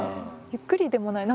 ゆっくりでもない。